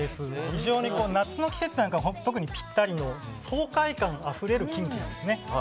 非常に夏の季節には特にぴったりの爽快感あふれるキムチなんです。